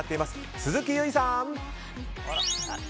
鈴木唯さん！